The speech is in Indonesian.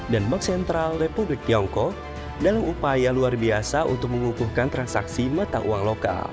dan bank sentral republik tiongkok dalam upaya luar biasa untuk mengukuhkan transaksi mata uang lokal